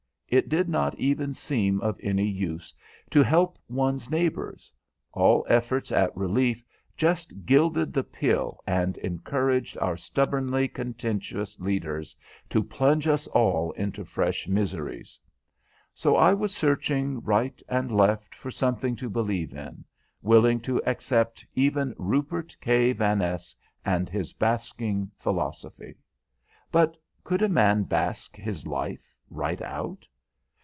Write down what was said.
It did not even seem of any use to help one's neighbors; all efforts at relief just gilded the pill and encouraged our stubbornly contentious leaders to plunge us all into fresh miseries. So I was searching right and left for something to believe in, willing to accept even Rupert K. Vaness and his basking philosophy. But could a man bask his life right out?